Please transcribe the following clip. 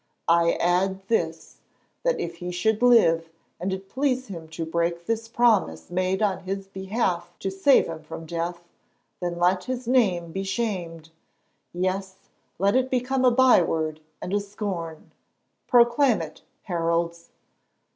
I add this: that if he should live, and it pleases him to break this promise made on his behalf to save him from death, then let his name be shamed, yes, let it become a byword and a scorn. Proclaim it, heralds."